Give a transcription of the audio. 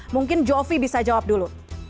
mungkin jovi bisa jawab dulu